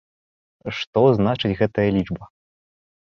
Што значыць гэтая лічба?